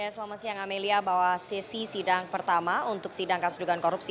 selamat siang amelia bahwa sesi sidang pertama untuk sidang kasus dugaan korupsi